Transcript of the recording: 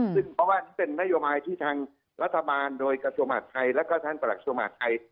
เพราะว่านี่เป็นมัยมายที่ทางรัฐบาลโดยกระทรวมหัศทัยและก็ท่านประหลักสภาษาสภาษาไทย